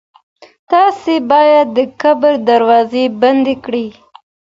تاسي باید د کبر دروازې بندې کړئ.